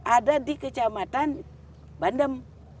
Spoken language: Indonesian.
ada di kecamatan bandem